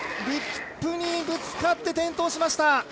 リップにぶつかって転倒しました。